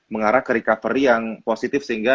mengarah ke recovery yang positif sehingga